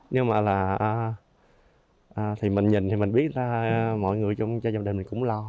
nhưng mà là thì mình nhìn thì mình biết mọi người trong gia đình mình cũng lo